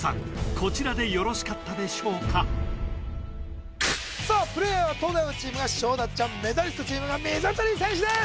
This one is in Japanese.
こちらでよろしかったでしょうかさあプレイヤーは東大王チームが勝田ちゃんメダリストチームが水谷選手です